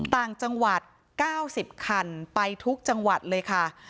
ต่างจังหวัด๙๐คันไปทุกจังหวัดเลยค่ะ